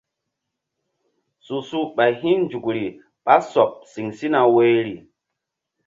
Su su ɓay hi̧nzukri ɓa sɔɓ siŋ sina woyri.